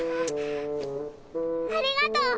ありがとう。